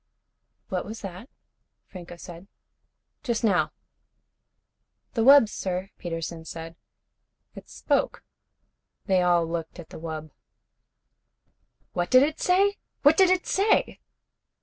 "What was that?" Franco said. "Just now." "The wub, sir," Peterson said. "It spoke." They all looked at the wub. "What did it say? What did it say?"